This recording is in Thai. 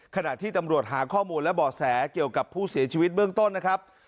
ขณะที่ตำรวจหาข้อมูลและบ่อแสเกี่ยวกับผู้เสียชีวิตเบื้องต้นนะครับ